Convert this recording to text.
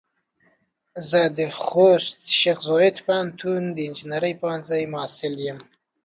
زه د خوست شیخ زايد پوهنتون د انجنیري پوهنځۍ محصل يم.